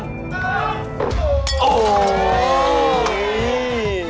ตรง